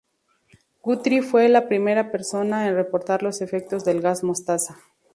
Guthrie fue la primera persona en reportar los efectos del gas mostaza.